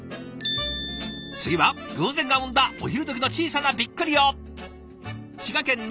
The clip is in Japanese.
次は偶然が生んだお昼どきの小さなビックリを。